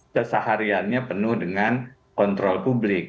kesehariannya penuh dengan kontrol publik